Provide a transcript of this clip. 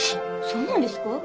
そうなんですか？